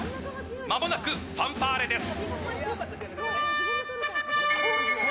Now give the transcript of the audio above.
まもなくファンファーレです。